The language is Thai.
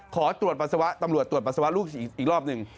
ขอตรวจปัสสาวะตำรวจตรวจปัสสาวะลูกอีกรอบหนึ่ง